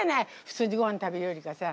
普通にごはん食べるよりかさ。